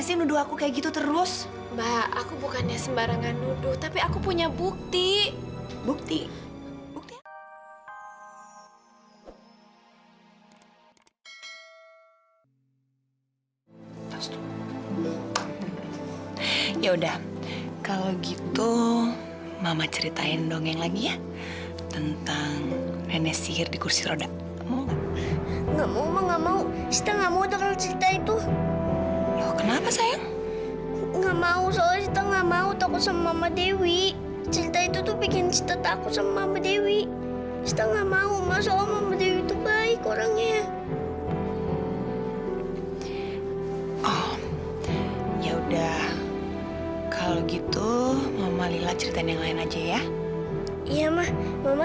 sampai jumpa di video selanjutnya